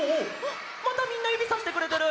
またみんなゆびさしてくれてる！